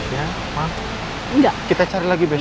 ya ma kita cari lagi besok